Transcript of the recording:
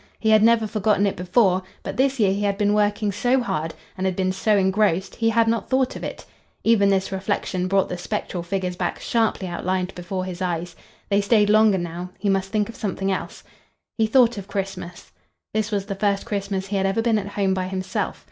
He had never forgotten it before, but this year he had been working so hard and had been so engrossed he had not thought of it. Even this reflection brought the spectral figures back sharply outlined before his eyes. They stayed longer now. He must think of something else. He thought of Christmas. This was the first Christmas he had ever been at home by himself.